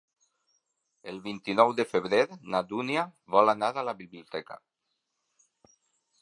El vint-i-nou de febrer na Dúnia vol anar a la biblioteca.